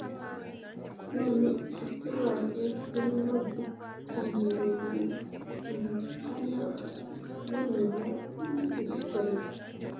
noneikitubazeturimukorereibisanabiriyayadukoreye